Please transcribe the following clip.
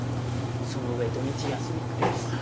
その上土日休みくれとか。